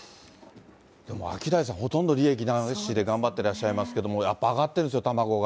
でもアキダイさん、ほとんど利益なしで頑張ってらっしゃいますけども、やっぱ上がってるんですよ、卵が。